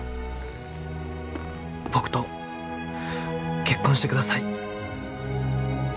僕と結婚してください。